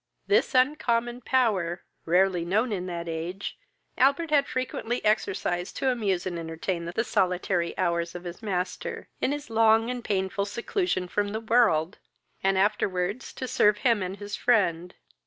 This uncommon power, rarely known in that age, Albert had frequently exercised to amuse and entertain the solitary hours of his master, in his long and painful seclusion from the world, and afterwards to serve him and his friend.